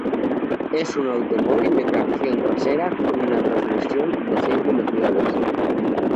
Es un automóvil de tracción trasera, con una transmisión de seis velocidades.